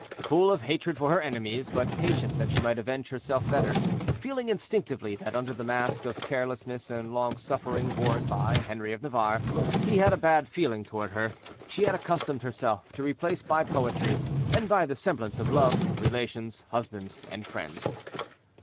Full of hatred for her enemies, but patient that she might avenge herself better—feeling instinctively that under the mask of carelessness and long suffering worn by Henri of Navarre he had a bad feeling toward her—she had accustomed herself to replace by poetry, and by the semblance of love, relations, husband, and friends.